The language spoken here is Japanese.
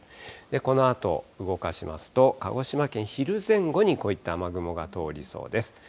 このあと動かしますと、鹿児島県、昼前後にこういった雨雲が通りそうです。